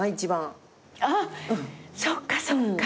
あっそっかそっか。